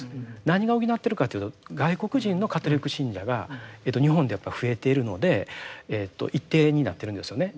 何が補っているかというと外国人のカトリック信者が日本でやっぱり増えているので一定になっているんですよね。